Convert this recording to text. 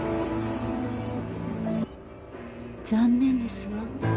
残念ですわ。